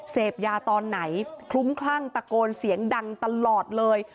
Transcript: เสพยาตอนไหนคลุ้มคลั่งตะโกนเสียงดังตลอดเลย